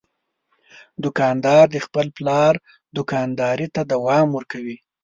دوکاندار د خپل پلار دوکانداري ته دوام ورکوي.